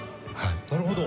なるほど。